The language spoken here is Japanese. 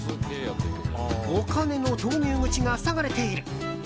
お金の投入口が塞がれている。